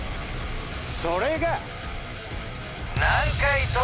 それが。